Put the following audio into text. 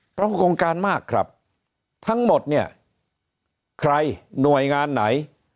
เพราะโครงการมากครับทั้งหมดเนี่ยใครหน่วยงานไหน